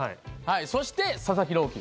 そして、佐々木朗希。